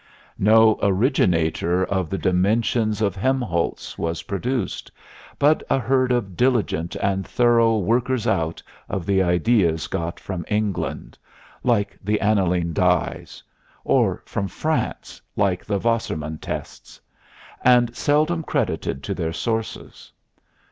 No originator of the dimensions of Helmholtz was produced, but a herd of diligent and thorough workers out of the ideas got from England like the aniline dyes or from France like the Wassermann tests and seldom credited to their sources.